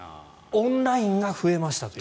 オンラインが増えましたという。